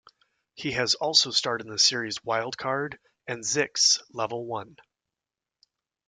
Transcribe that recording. He has also starred in the series "Wild Card" and "Zixx: Level One".